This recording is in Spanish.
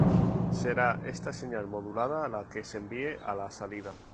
Será esta señal modulada la que se envíe a la salida.